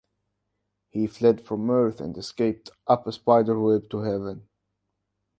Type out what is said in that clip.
He fled from earth and escaped up a spiderweb to heaven.